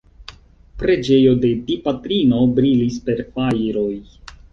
Preĝejo de Dipatrino brilis per fajroj.